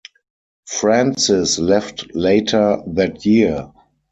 Francis left later that year.